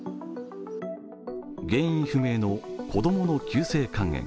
原因不明の子供の急性肝炎。